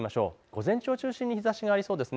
午前中を中心に日ざしがありそうです。